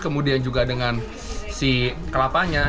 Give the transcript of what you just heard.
kemudian juga dengan si kelapanya